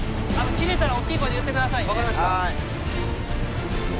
切れたらおっきい声で言ってください。